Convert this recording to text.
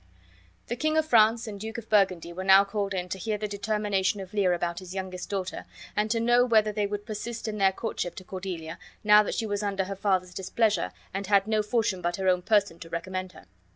The King of France and Duke of Burgundy were now called in to hear the determination of Lear about his youngest daughter, and to know whether they would persist in their courtship to Cordelia, now that she was under her father's displeasure and had no fortune but her own person to recommend her.